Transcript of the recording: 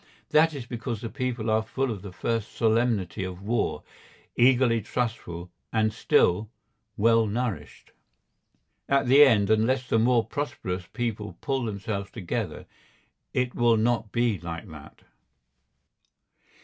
That is because the people are full of the first solemnity of war, eagerly trustful, and still—well nourished. At the end unless the more prosperous people pull themselves together it will not be like that.